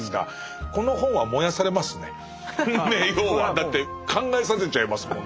だって考えさせちゃいますもんね。